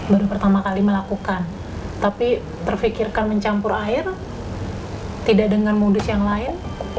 baru pertama kali melakukan tapi terfikirkan mencampur air tidak dengan modus yang lain